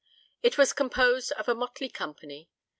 It was composed of a motley company.